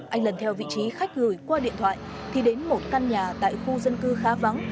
anh lần theo vị trí khách gửi qua điện thoại thì đến một căn nhà tại khu dân cư khá vắng